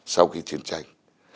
sau khi chiến tranh